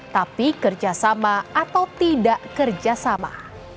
tapi kerjasama atau tidak kerjasama